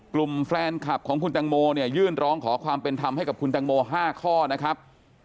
กลุ่มแฟนคลับของคุณตังโมเนี่ยยื่นร้องขอความเป็นธรรมให้กับคุณตังโม๕ข้อนะครับ